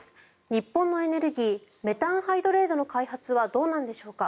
日本のエネルギーメタンハイドレートの開発はどうなんでしょうか。